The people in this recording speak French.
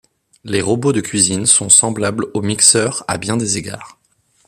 Les robots de cuisine sont semblables aux mixeurs à bien des égards.